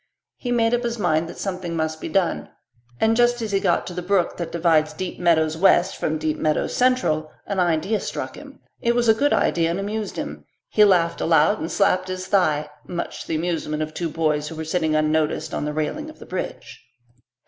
He made up his mind that something must be done, and just as he got to the brook that divides Deep Meadows West from Deep Meadows Central an idea struck him; it was a good idea and amused him. He laughed aloud and slapped his thigh, much to the amusement of two boys who were sitting unnoticed on the railing of the bridge.